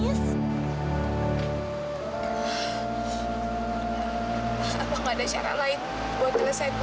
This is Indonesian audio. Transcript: ih gue juga ngatung